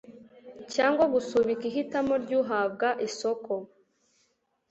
cyangwa gusubika ihitamo ry uhabwa isoko